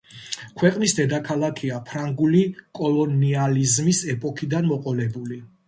ქვეყნის დედაქალაქია ფრანგული კოლონიალიზმის ეპოქიდან მოყოლებული.